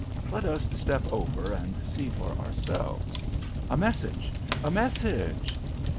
Let us step over and see for ourselves. A message! A message!